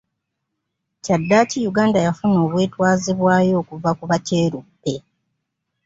Kyaddaaki Uganda yafuna obwetwaze bwayo okuva ku Bakyeruppe.